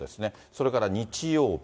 それから日曜日。